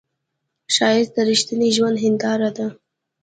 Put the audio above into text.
ښایست د رښتینې ژوندو هنداره ده